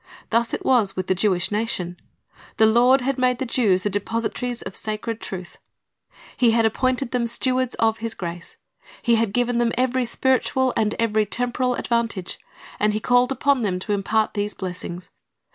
Thus it was with the Jewish nation. The Lord had made the Jews the depositaries of sacred truth. 1 Mark 8 : 36, 37 2 Dan. 5 : 27 268 Christ's Object Lessons He had appointed them stewards of His grace. He had given them every spiritual and every temporal advantage, and He called upon them to impart these blessings.